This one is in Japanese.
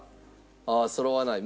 ああそろわない。